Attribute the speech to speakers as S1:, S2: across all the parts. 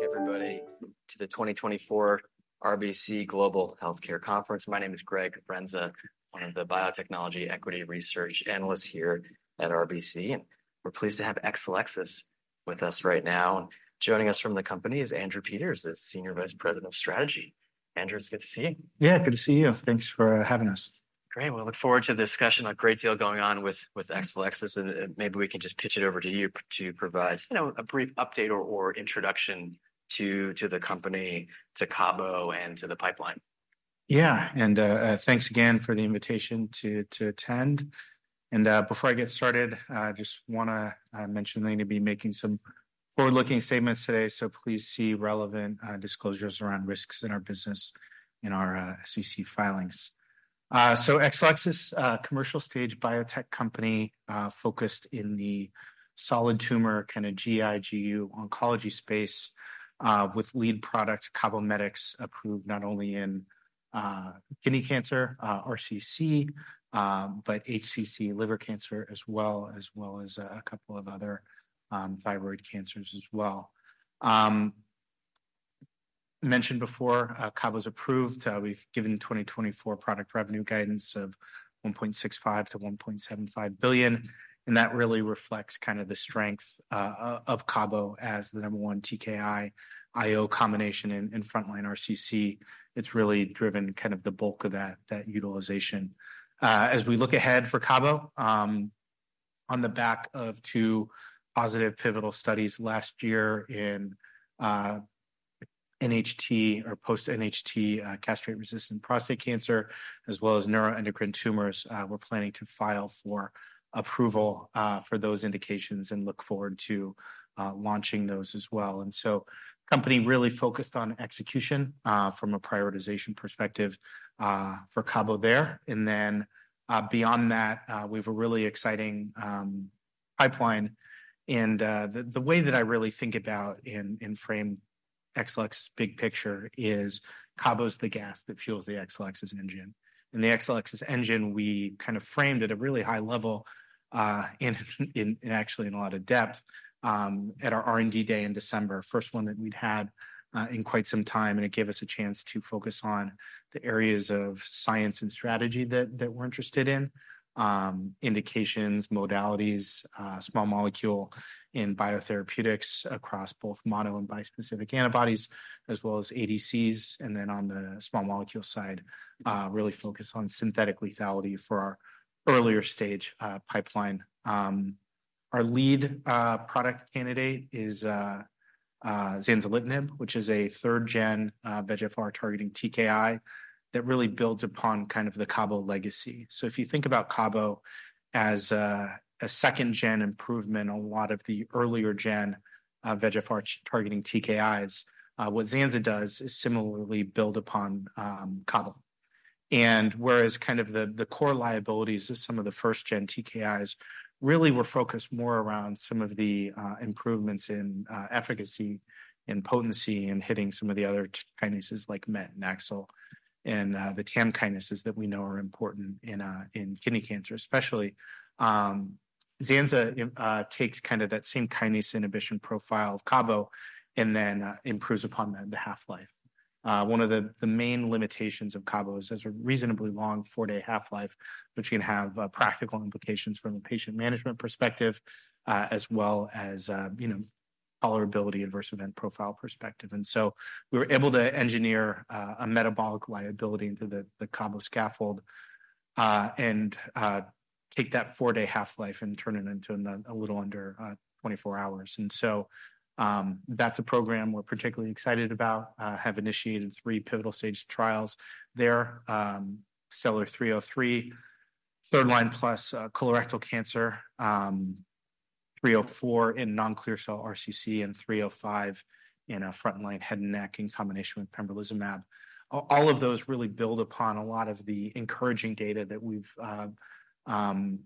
S1: Back, everybody, to the 2024 RBC Global Healthcare Conference. My name is Greg Renza, one of the biotechnology equity research analysts here at RBC. We're pleased to have Exelixis with us right now. Joining us from the company is Andrew Peters, the Senior Vice President of Strategy. Andrew, it's good to see you.
S2: Yeah, good to see you. Thanks for having us.
S1: Great. Well, I look forward to the discussion. A great deal going on with Exelixis, and maybe we can just pitch it over to you to provide, you know, a brief update or introduction to the company, to Cabo, and to the pipeline.
S2: Yeah. And thanks again for the invitation to attend. And before I get started, I just wanna mention that I'm gonna be making some forward-looking statements today. So please see relevant disclosures around risks in our business in our SEC filings. So Exelixis, a commercial stage biotech company focused in the solid tumor, kind of GI/GU oncology space, with lead product Cabometyx approved not only in kidney cancer, RCC, but HCC liver cancer as well, as well as a couple of other thyroid cancers as well. Mentioned before, Cabo's approved. We've given 2024 product revenue guidance of $1.65 billion-$1.75 billion. And that really reflects kind of the strength of Cabo as the number one TKI IO combination in frontline RCC. It's really driven kind of the bulk of that utilization. As we look ahead for Cabo, on the back of two positive pivotal studies last year in NHT or post NHT castrate resistant prostate cancer, as well as neuroendocrine tumors, we're planning to file for approval for those indications and look forward to launching those as well. And so company really focused on execution from a prioritization perspective for Cabo there. And then beyond that, we have a really exciting pipeline. And the way that I really think about and frame Exelixis's big picture is Cabo's the gas that fuels the Exelixis's engine. And the Exelixis's engine, we kind of framed at a really high level, and actually in a lot of depth at our R&D day in December, 1st one that we'd had in quite some time. It gave us a chance to focus on the areas of science and strategy that we're interested in: indications, modalities, small molecules and biotherapeutics across both mono and bispecific antibodies, as well as ADCs. Then on the small molecule side, really focus on synthetic lethality for our earlier stage pipeline. Our lead product candidate is Zanzalit, which is a 3rd gen VEGFR targeting TKI that really builds upon kind of the Cabo legacy. So if you think about Cabo as a second gen improvement, a lot of the earlier gen VEGFR targeting TKIs, what Zanza does is similarly build upon Cabo. Whereas kind of the core liabilities of some of the 1st gen TKIs really were focused more around some of the improvements in efficacy and potency and hitting some of the other kinases like MET and AXL and the TAM kinases that we know are important in kidney cancer, especially Zanza takes kind of that same kinase inhibition profile of Cabo and then improves upon that into half-life. One of the main limitations of Cabo is, as a reasonably long 4-day half-life, which can have practical implications from a patient management perspective, as well as, you know, tolerability, adverse event profile perspective. And so we were able to engineer a metabolic liability into the Cabo scaffold and take that 4-day half-life and turn it into a little under 24 hours. And so that's a program we're particularly excited about. Have initiated three pivotal-stage trials there. STELLAR-303, 3rd-line+ colorectal cancer, STELLAR-304 in non-clear cell RCC, and STELLAR-305 in a frontline head and neck in combination with pembrolizumab. All of those really build upon a lot of the encouraging data that we've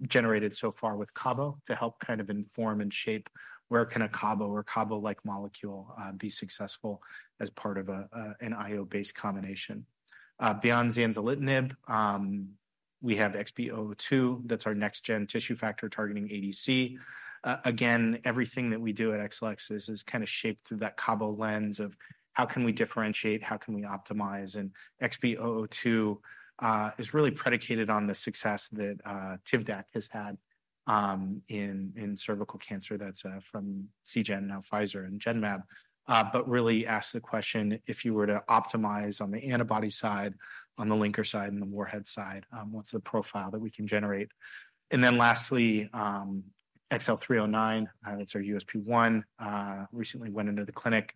S2: generated so far with Cabo to help kind of inform and shape where can a Cabo or Cabo-like molecule be successful as part of a an IO-based combination beyond Zanzalintinib. We have XB002. That's our next-gen tissue factor-targeting ADC. Again, everything that we do at Exelixis is kind of shaped through that Cabo lens of how can we differentiate? How can we optimize? And XB002 is really predicated on the success that Tivdak has had in in cervical cancer. That's from seagen, now Pfizer and Genmab, but really asks the question, if you were to optimize on the antibody side, on the linker side, and the warhead side, what's the profile that we can generate? And then, lastly, XL309. That's our USP1. Recently went into the clinic.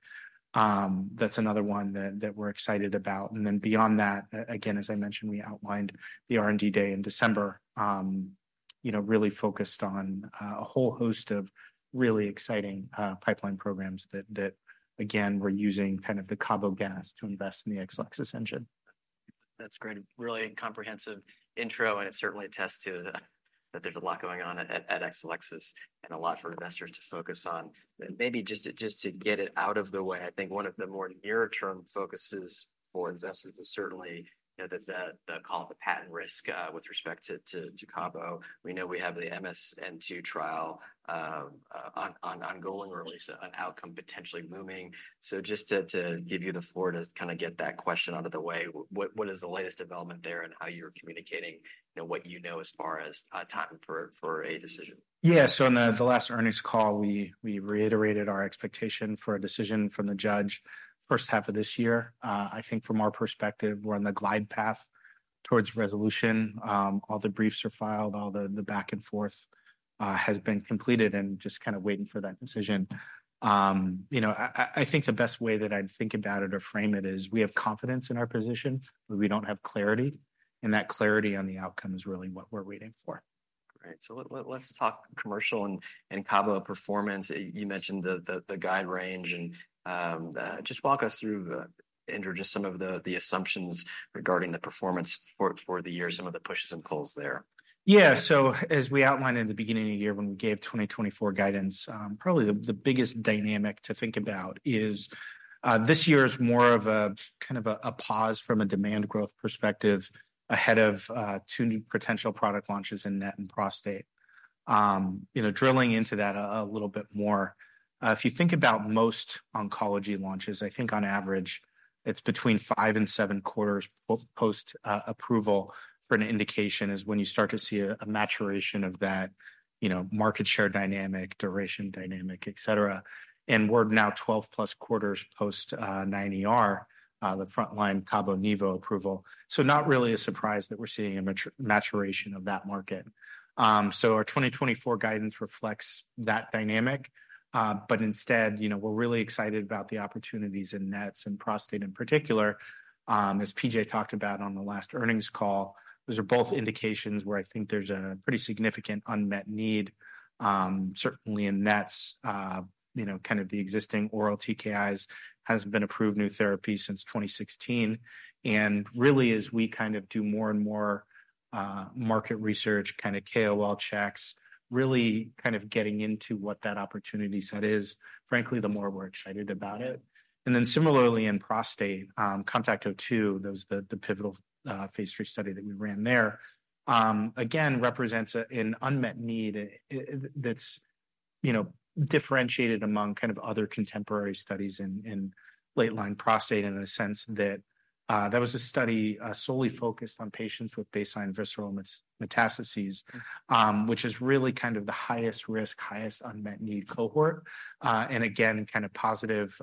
S2: That's another one that we're excited about. And then, beyond that, again, as I mentioned, we outlined the R&D day in December, you know, really focused on a whole host of really exciting pipeline programs that again, we're using kind of the Cabo cash to invest in the Exelixis engine.
S1: That's great. Really comprehensive intro. And it's certainly a testament too that there's a lot going on at Exelixis and a lot for investors to focus on. Maybe just to get it out of the way. I think one of the more near-term focuses for investors is certainly, you know, the patent risk with respect to Cabo. We know we have the MSN II trial ongoing, release on outcome potentially looming. So just to give you the floor to kind of get that question out of the way. What is the latest development there? And how you're communicating, you know, what you know as far as time for a decision?
S2: Yeah. So on the last earnings call, we reiterated our expectation for a decision from the judge first half of this year. I think, from our perspective, we're on the glide path towards resolution. All the briefs are filed. All the back and forth has been completed and just kind of waiting for that decision. You know, I think the best way that I'd think about it or frame it is, we have confidence in our position, but we don't have clarity. And that clarity on the outcome is really what we're waiting for.
S1: Great. So let's talk commercial and Cabo performance. You mentioned the guide range. And just walk us through, Andrew, just some of the assumptions regarding the performance for the year, some of the pushes and pulls there.
S2: Yeah. So, as we outlined in the beginning of the year, when we gave 2024 guidance, probably the biggest dynamic to think about is this year is more of a kind of a pause from a demand growth perspective ahead of two new potential product launches in NET and prostate. You know, drilling into that a little bit more. If you think about most oncology launches, I think, on average, it's between five and seven quarters post approval for an indication is when you start to see a maturation of that, you know, market share dynamic, duration dynamic, etc. And we're now 12+ quarters post the frontline Cabo Nivo approval. So not really a surprise that we're seeing a maturation of that market. So our 2024 guidance reflects that dynamic. But instead, you know, we're really excited about the opportunities in NETs and prostate in particular. As P.J. talked about on the last earnings call, those are both indications where I think there's a pretty significant unmet need, certainly in NETs. You know, kind of the existing oral TKIs has been approved new therapy since 2016. And really, as we kind of do more and more market research, kind of KOL checks, really kind of getting into what that opportunity set is, frankly, the more we're excited about it. And then, similarly, in prostate CONTACT-02. That was the pivotal phase 3 study that we ran there again represents an unmet need that's, you know, differentiated among kind of other contemporary studies in late line prostate, in a sense that was a study solely focused on patients with baseline visceral metastases, which is really kind of the highest risk, highest unmet need cohort. And again, kind of positive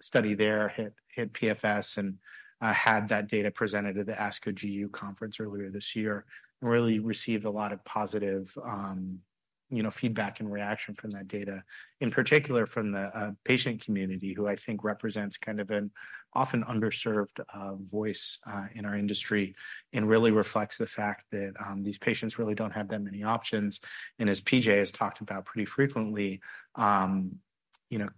S2: study there hit PFS and had that data presented at the ASCO GU conference earlier this year and really received a lot of positive, you know, feedback and reaction from that data, in particular from the patient community, who I think represents kind of an often underserved voice in our industry, and really reflects the fact that these patients really don't have that many options. as P.J. has talked about pretty frequently, you know,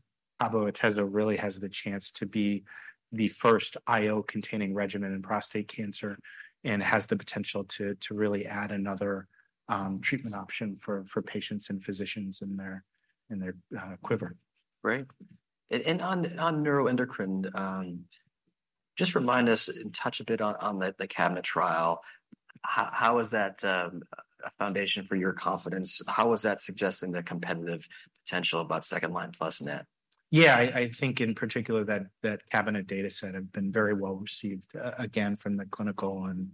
S2: Cabo Atezo really has the chance to be the first IO containing regimen in prostate cancer and has the potential to really add another treatment option for patients and physicians in their quiver.
S1: Great. And on neuroendocrine. Just remind us and touch a bit on the CABINET trial. How is that a foundation for your confidence? How is that suggesting the competitive potential about second-line plus NET?
S2: Yeah, I think, in particular, that CABINET data set have been very well received again from the clinical and,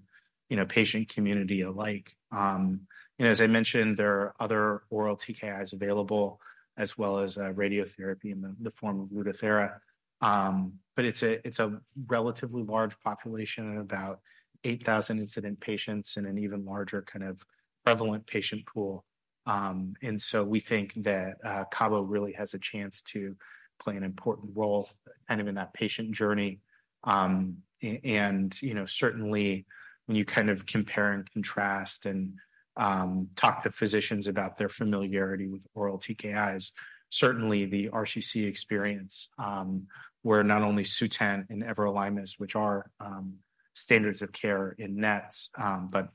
S2: you know, patient community alike. You know, as I mentioned, there are other oral TKIs available, as well as radiotherapy in the form of Lutathera. But it's a relatively large population of about 8,000 incident patients in an even larger kind of prevalent patient pool. And so we think that Cabo really has a chance to play an important role kind of in that patient journey. And, you know, certainly, when you kind of compare and contrast and talk to physicians about their familiarity with oral TKIs, certainly the RCC experience, where not only Sutent and everolimus, which are standards of care in NETs, but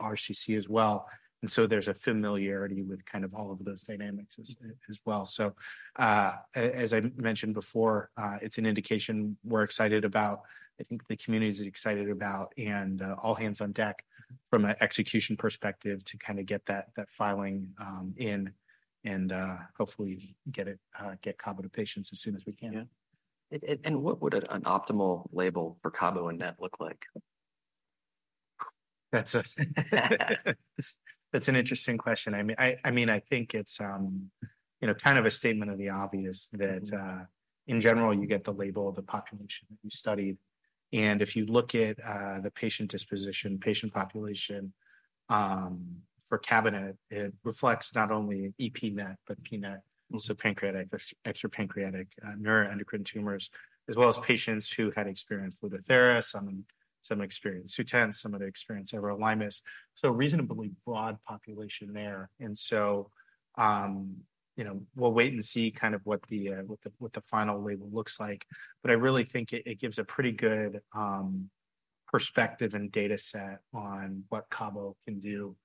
S2: RCC as well. And so there's a familiarity with kind of all of those dynamics as well. As I mentioned before, it's an indication we're excited about. I think the community is excited about, and all hands on deck from an execution perspective to kind of get that filing in and hopefully get Cabo to patients as soon as we can.
S1: Yeah. And what would an optimal label for Cabometyx and NET look like?
S2: That's an interesting question. I mean, I think it's, you know, kind of a statement of the obvious that, in general, you get the label of the population that you studied. And if you look at the patient disposition, patient population for CABINET, it reflects not only EP-NET, but P-NET. So pancreatic, extrapancreatic neuroendocrine tumors, as well as patients who had experienced Lutathera. Some experienced Sutent. Some have experienced everolimus. So reasonably broad population there. And so, you know, we'll wait and see kind of what the final label looks like. But I really think it gives a pretty good perspective and data set on what Cabo can do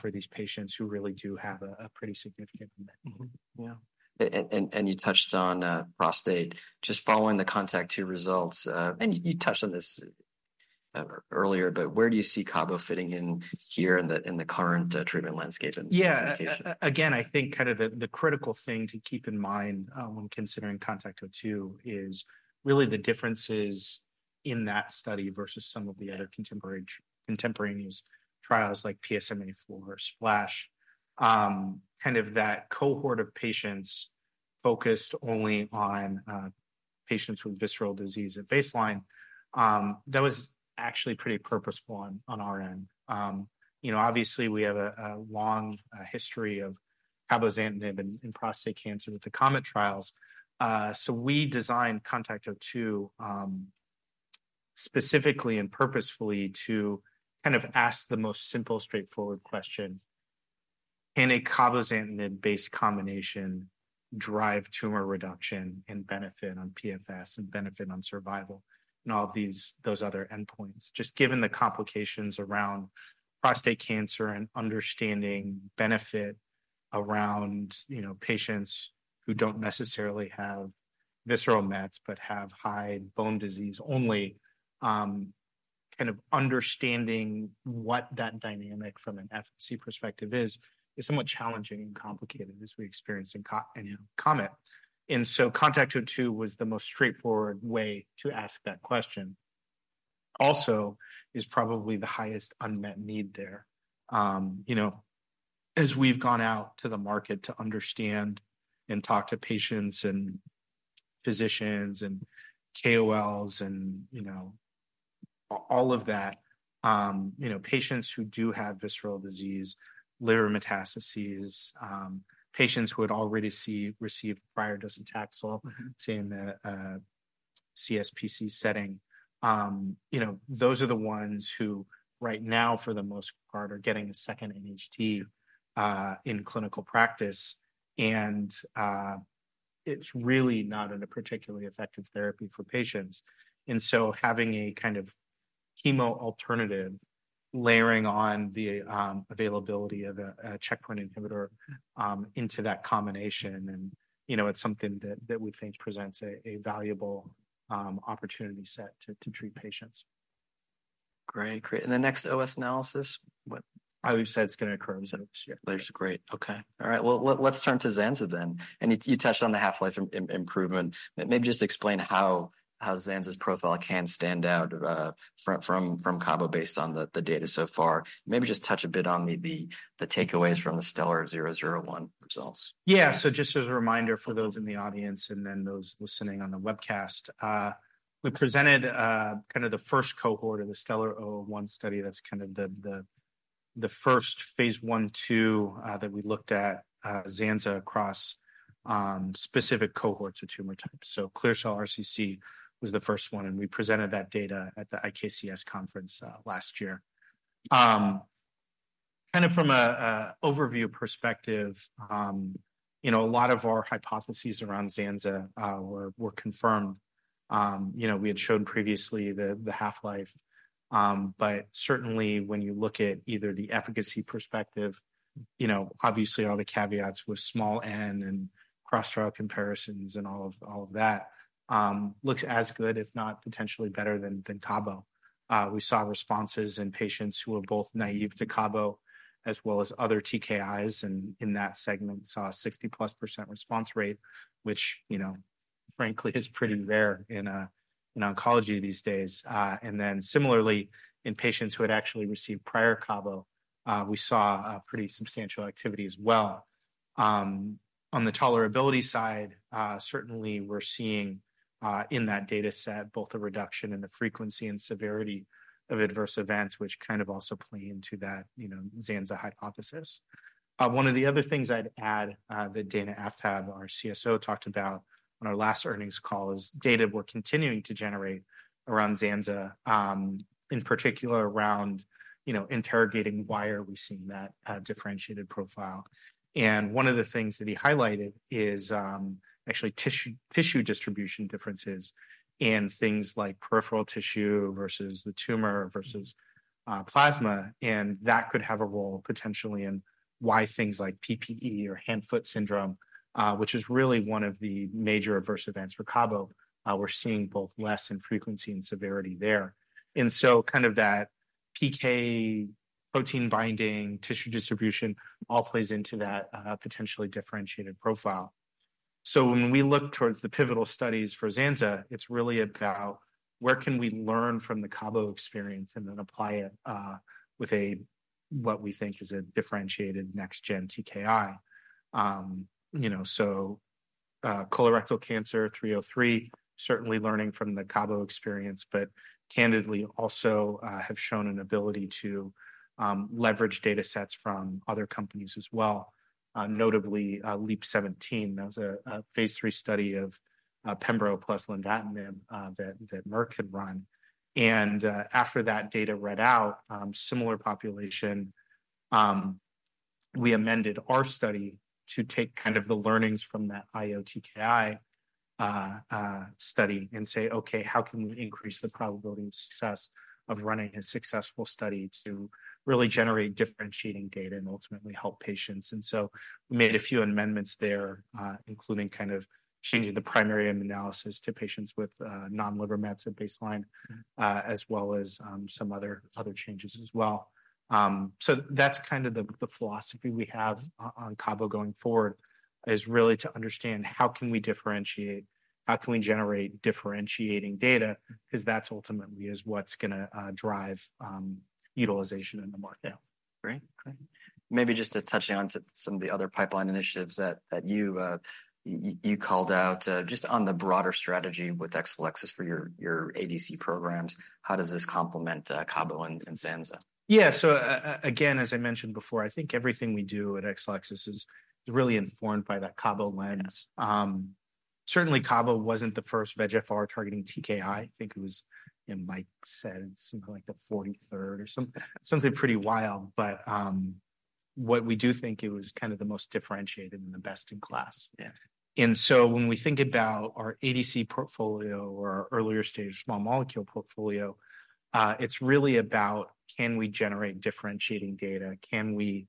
S2: for these patients who really do have a pretty significant NET.
S1: Yeah. And you touched on prostate just following the CONTACT-02 results. And you touched on this earlier. But where do you see Cabo fitting in here in the current treatment landscape?
S2: Yeah. Again, I think kind of the critical thing to keep in mind when considering CONTACT-02 is really the differences in that study versus some of the other contemporary contemporaneous trials like PSMAfore SPLASH. Kind of that cohort of patients focused only on patients with visceral disease at baseline. That was actually pretty purposeful on our end. You know, obviously, we have a long history of Cabozantinib and prostate cancer with the COMET trials. So we designed CONTACT-02 specifically and purposefully to kind of ask the most simple, straightforward question. Can a Cabozantinib based combination drive tumor reduction and benefit on PFS and benefit on survival and all of these those other endpoints, just given the complications around prostate cancer and understanding benefit around, you know, patients who don't necessarily have visceral mets, but have high bone disease only? Kind of understanding what that dynamic from an efficacy perspective is somewhat challenging and complicated, as we experienced in COMET. And so CONTACT-02 was the most straightforward way to ask that question. Also is probably the highest unmet need there. You know. As we've gone out to the market to understand and talk to patients and physicians and KOLs, and you know, all of that. You know, patients who do have visceral disease, liver metastases, patients who had already received prior dose of Taxol in the CSPC setting. You know, those are the ones who right now, for the most part, are getting a second NHT in clinical practice. And it's really not a particularly effective therapy for patients. And so having a kind of chemo alternative layering on the availability of a checkpoint inhibitor into that combination. You know, it's something that we think presents a valuable opportunity set to treat patients.
S1: Great. Great. The next OS analysis. What?
S2: I always said it's gonna occur this year.
S1: Okay. All right. Well, let's turn to Zanza, then. And you touched on the half-life improvement. Maybe just explain how Zanza's profile can stand out from Cabo, based on the data so far. Maybe just touch a bit on the takeaways from the STELLAR-001 results.
S2: Yeah. So just as a reminder for those in the audience, and then those listening on the webcast. We presented kind of the first cohort of the STELLAR-001 study. That's kind of the first phase 1, 2 that we looked at Zanza across specific cohorts of tumor types. So clear cell RCC was the first one, and we presented that data at the IKCS conference last year. Kind of from an overview perspective. You know, a lot of our hypotheses around Zanza were confirmed. You know, we had shown previously the half life. But certainly, when you look at either the efficacy perspective. You know, obviously, all the caveats with small n and cross-trial comparisons and all of that looks as good, if not potentially better than Cabo. We saw responses in patients who are both naive to Cabo, as well as other TKIs. In that segment, saw a 60%+ response rate, which, you know, frankly, is pretty rare in oncology these days. Then, similarly, in patients who had actually received prior Cabo, we saw a pretty substantial activity as well. On the tolerability side, certainly, we're seeing in that data set both a reduction in the frequency and severity of adverse events, which kind of also play into that, you know, Zanza hypothesis. One of the other things I'd add that Dana Aftab, our CSO, talked about on our last earnings call is data we're continuing to generate around Zanza, in particular around, you know, interrogating why we are seeing that differentiated profile. One of the things that he highlighted is actually tissue distribution differences and things like peripheral tissue versus the tumor versus plasma. That could have a role potentially in why things like PPE or hand-foot syndrome, which is really one of the major adverse events for Cabo. We're seeing both less in frequency and severity there. So kind of that PK protein binding tissue distribution all plays into that potentially differentiated profile. So when we look towards the pivotal studies for Zanza, it's really about where can we learn from the Cabo experience, and then apply it with what we think is a differentiated next-gen TKI? You know. So colorectal cancer 303, certainly learning from the Cabo experience, but candidly also have shown an ability to leverage data sets from other companies as well. Notably, LEAP-017. That was a phase 3 study of pembrolizumab plus lenvatinib that Merck had run. After that data read out similar population. We amended our study to take kind of the learnings from that IO TKI study and say, Okay, how can we increase the probability of success of running a successful study to really generate differentiating data and ultimately help patients? So we made a few amendments there, including kind of changing the primary analysis to patients with non-liver mets at baseline, as well as some other changes as well. So that's kind of the philosophy we have on Cabo going forward is really to understand, how can we differentiate? How can we generate differentiating data? Because that's ultimately is what's gonna drive utilization in the market.
S1: Yeah. Great. Great. Maybe just touching on some of the other pipeline initiatives that you called out just on the broader strategy with Exelixis for your ADC programs. How does this complement Cabo and Zanza?
S2: Yeah. So again, as I mentioned before, I think everything we do at Exelixis is really informed by that Cabo lens. Certainly, Cabo wasn't the 1st VEGFR targeting TKI. I think it was, you know, Mike said, something like the 43rd or something something pretty wild. But what we do think it was kind of the most differentiated and the best in class. Yeah. And so when we think about our ADC portfolio or our earlier stage small molecule portfolio, it's really about, can we generate differentiating data? Can we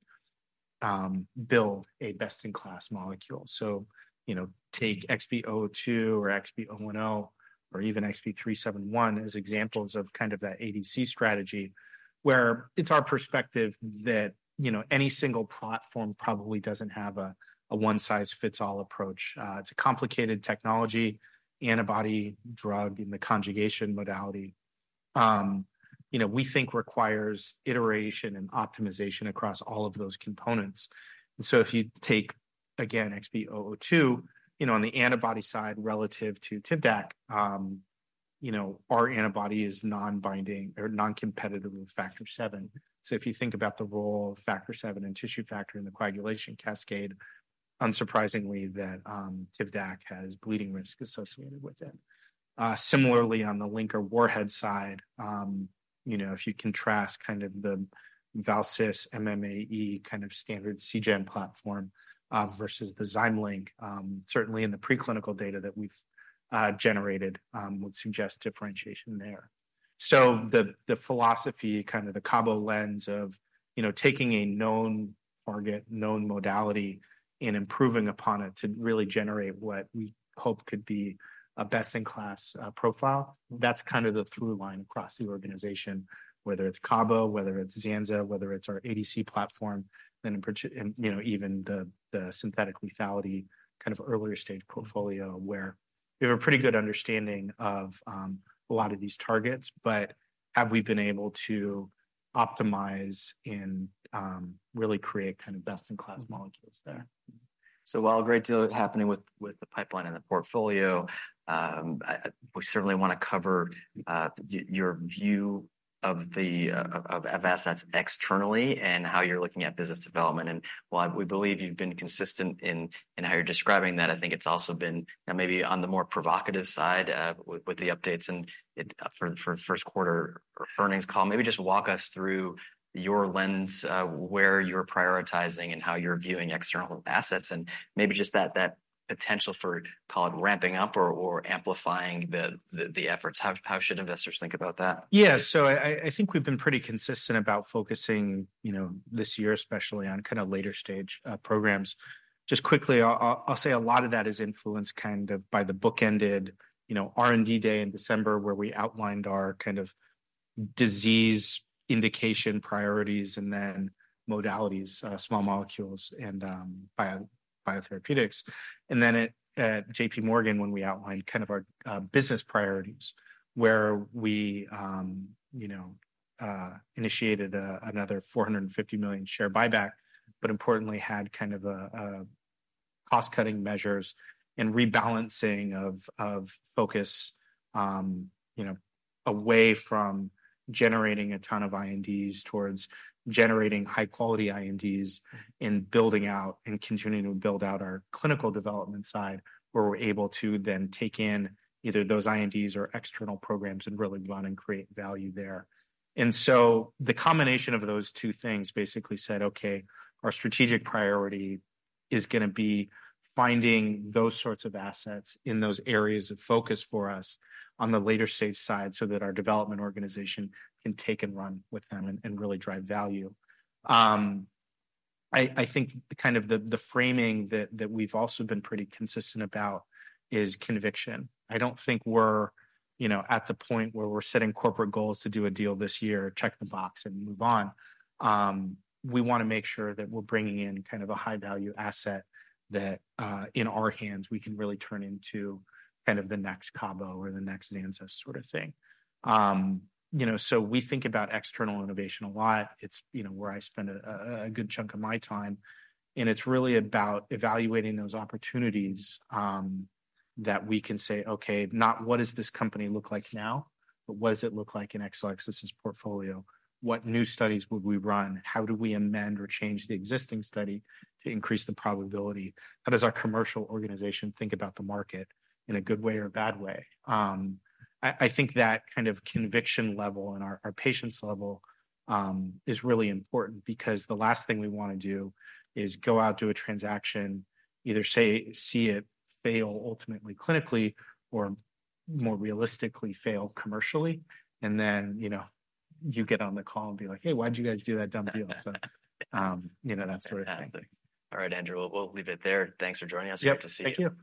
S2: build a best in class molecule? So, you know, take XB002 or XB010, or even XB371 as examples of kind of that ADC strategy, where it's our perspective that, you know, any single platform probably doesn't have a one size fits all approach. It's a complicated technology antibody drug in the conjugation modality. You know, we think requires iteration and optimization across all of those components. And so if you take again, XB002, you know, on the antibody side relative to Tivdak. You know, our antibody is non-binding or non-competitive with Factor VII. So if you think about the role of Factor VII and tissue factor in the coagulation cascade. Unsurprisingly, that Tivdak has bleeding risk associated with it. Similarly, on the linker or warhead side. You know, if you contrast kind of the Val-Cit-MMAE kind of standard Seagen platform versus the ZymeLink. Certainly, in the preclinical data that we've generated would suggest differentiation there. So the philosophy, kind of the cabozantinib lens of, you know, taking a known target, known modality, and improving upon it to really generate what we hope could be a best-in-class profile. That's kind of the through line across the organization, whether it's Cabo, whether it's Zanza, whether it's our ADC platform. Then, in particular, and you know, even the synthetic lethality kind of earlier stage portfolio, where we have a pretty good understanding of a lot of these targets. But have we been able to optimize and really create kind of best in class molecules there?
S1: So while a great deal happening with the pipeline and the portfolio. We certainly want to cover your view of the assets externally, and how you're looking at business development. And while we believe you've been consistent in how you're describing that, I think it's also been now maybe on the more provocative side with the updates. And it for 1st quarter earnings call, maybe just walk us through your lens, where you're prioritizing, and how you're viewing external assets. And maybe just that potential for call it ramping up or amplifying the efforts. How should investors think about that?
S2: Yeah. So I think we've been pretty consistent about focusing, you know, this year, especially on kind of later stage programs. Just quickly, I'll say a lot of that is influenced kind of by the bookended, you know, R&D day in December, where we outlined our kind of disease indication priorities, and then modalities, small molecules and biotherapeutics. And then at J.P. Morgan, when we outlined kind of our business priorities, where we, you know, initiated another $450 million share buyback, but importantly, had kind of a cost-cutting measures and rebalancing of focus. You know, away from generating a ton of INDs towards generating high quality INDs and building out and continuing to build out our clinical development side, where we're able to then take in either those INDs or external programs and really run and create value there. And so the combination of those two things basically said, Okay, our strategic priority is gonna be finding those sorts of assets in those areas of focus for us on the later stage side, so that our development organization can take and run with them and really drive value. I think the kind of framing that we've also been pretty consistent about is conviction. I don't think we're, you know, at the point where we're setting corporate goals to do a deal this year, check the box, and move on. We want to make sure that we're bringing in kind of a high value asset that in our hands we can really turn into kind of the next Cabo or the next Zanza sort of thing, you know. So we think about external innovation a lot. It's, you know, where I spend a good chunk of my time. And it's really about evaluating those opportunities that we can say, Okay, not what does this company look like now? But what does it look like in Exelixis's portfolio? What new studies would we run? How do we amend or change the existing study to increase the probability? How does our commercial organization think about the market in a good way or a bad way? I think that kind of conviction level and our patience level is really important, because the last thing we want to do is go out, do a transaction, either say, see it fail ultimately clinically, or more realistically, fail commercially. And then, you know, you get on the call and be like, Hey, why did you guys do that dumb deal? So, you know, that sort of thing.
S1: Fantastic. All right, Andrew, we'll leave it there. Thanks for joining us. Great to see you.
S2: Yeah.